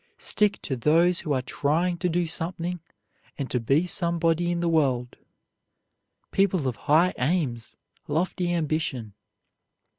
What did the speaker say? Stick to those who are trying to do something and to be somebody in the world, people of high aims, lofty ambition.